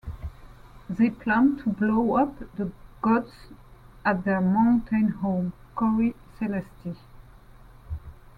They plan to blow up the gods at their mountain home, Cori Celesti.